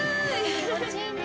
気持ちいいね。